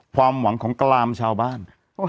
ความหวังของกรามชาวบ้าน